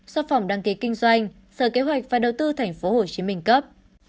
so phỏng đăng ký kinh doanh sở kế hoạch và đầu tư tp hcm cấp